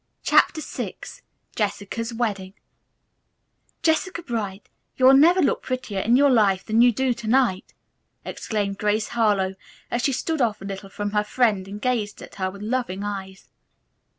CHAPTER VI JESSICA'S WEDDING "Jessica Bright, you will never look prettier in your life than you do to night!" exclaimed Grace Harlowe, as she stood off a little from her friend and gazed at her with loving eyes.